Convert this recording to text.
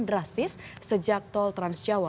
drastis sejak tol trans jawa